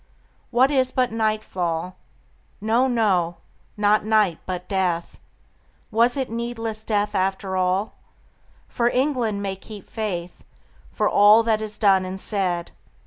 What is it but nightfall? No, no, not night but death; Was it needless death after all? For England may keep faith For all that is done and said.